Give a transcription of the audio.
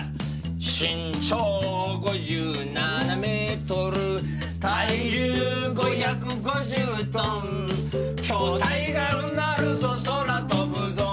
「身長５７メートル」「体重５５０トン巨体がうなるぞ空飛ぶぞ」